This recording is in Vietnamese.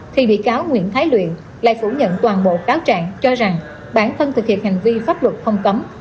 thì bị cáo nguyễn thái luyện lại phủ nhận toàn bộ cáo trạng cho rằng bản thân thực hiện hành vi pháp luật không cấm